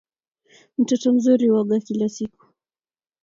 Mtoto mzuri huoga kila siku